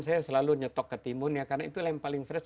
saya selalu nyetok ketimun ya karena itu yang paling fresh